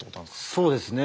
そうですね。